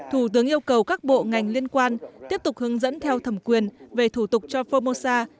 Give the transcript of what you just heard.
thủ tướng yêu cầu các bộ ngành liên quan tiếp tục hướng dẫn theo thẩm quyền về thủ tục cho formosa